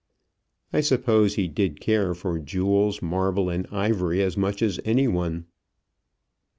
I suppose he did care for jewels, marble, and ivory, as much as any one.